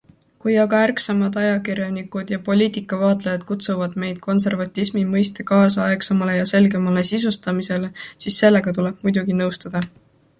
Kui aga ärksamad ajakirjanikud ja poliitikavaatlejad kutsuvad meid konservatismi mõiste kaasaegsemale ja selgemale sisustamisele, siis sellega tuleb muidugi nõustuda.